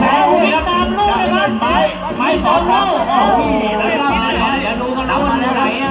ให้ไม้สองที่ไหนเนี่ยอ๋อแทงไม้สองครับไม้สองครับน้ำมาแล้วครับ